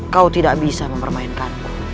kau tidak bisa mempermainkanku